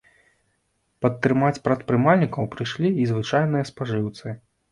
Падтрымаць прадпрымальнікаў прыйшлі і звычайныя спажыўцы.